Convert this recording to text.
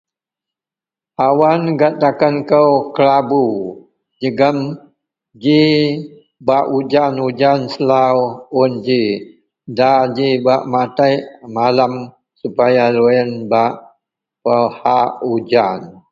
Awan gak takan kou kelabu jegem ji bak ujan-ujan selau un ji nda bak matek makem supaya loyen bak pahak ujan.